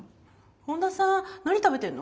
本田さん何食べてんの？